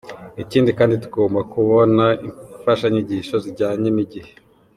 Ikindi kandi tugomba kubona imfashanyigisho zijyanye n’igihe.